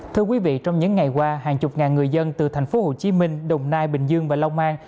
thưa quý vị trong những ngày qua hàng chục ngàn người dân từ thành phố hồ chí minh đồng nai bình dương và long an